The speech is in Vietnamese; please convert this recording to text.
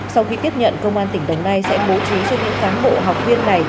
sau khi tiếp nhận công an tỉnh đồng nai sẽ bố trí cho những cán bộ học viên này